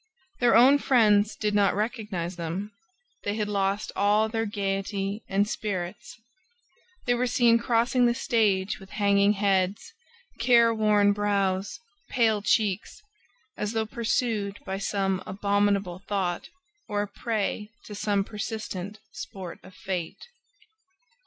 Their own friends did not recognize them: they had lost all their gaiety and spirits. They were seen crossing the stage with hanging heads, care worn brows, pale cheeks, as though pursued by some abominable thought or a prey to some persistent sport of fate.